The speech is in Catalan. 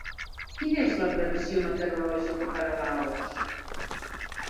Quina és la previsió meteorològica per a Laos